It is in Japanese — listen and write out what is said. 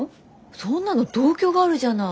そんなの同居があるじゃない。